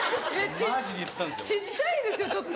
小っちゃいですよちょっと。